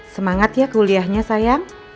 semangat ya kuliahnya sayang